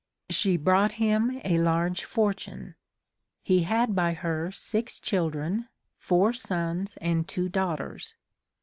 She brought him a large fortune. He had by her six children — four sons and two daughters.